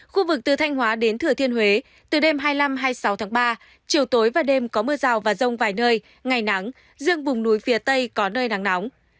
khu vực từ thanh hóa đến thừa thiên huế từ đêm hai mươi năm hai mươi sáu tháng ba chiều tối và đêm có mưa rào và rông vài nơi ngày nắng riêng vùng núi phía tây có nơi nắng nóng